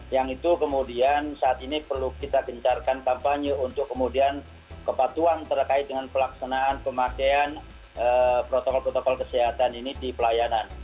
yang itu kemudian saat ini perlu kita gencarkan kampanye untuk kemudian kepatuan terkait dengan pelaksanaan pemakaian protokol protokol kesehatan ini di pelayanan